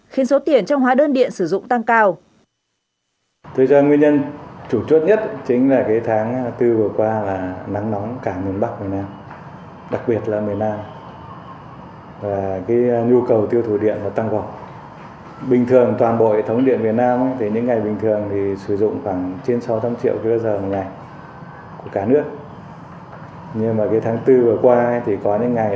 khiến số tiền trong hóa đơn điện sử dụng tăng cao